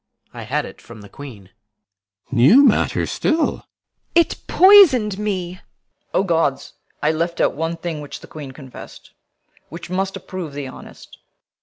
I had it from the Queen. CYMBELINE. New matter still? IMOGEN. It poison'd me. CORNELIUS. O gods! I left out one thing which the Queen confess'd, Which must approve thee honest.